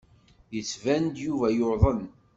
Yettban-d Yuba yuḍen.